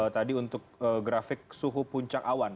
tadi untuk grafik suhu puncak awan